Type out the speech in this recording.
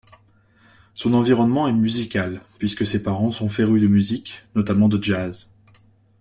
Son environnement est musical puisque ses parents sont férus de musique, notamment de jazz.